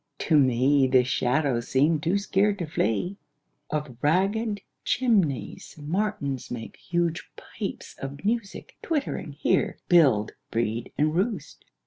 To me The shadows seem too scared to flee. 3. Of ragged chimneys martins make Huge pipes of music; twittering here Build, breed, and roost.